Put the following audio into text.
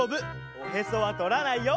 おへそはとらないよ。